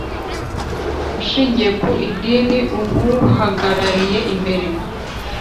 ushingiye ku idini uwuhagarariye imbere